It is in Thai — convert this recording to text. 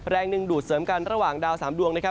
แรงดึงดูดเสริมกันระหว่างดาว๓ดวงนะครับ